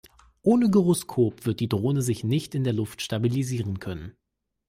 Ohne Gyroskop wird die Drohne sich nicht in der Luft stabilisieren können.